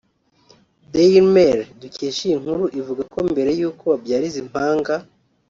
Daily Mail dukesha iyi nkuru ivuga ko mbere y’uko babyara izi mpanga